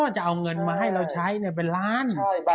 จะเอาเงินมาให้เราใช้เป็นล้าน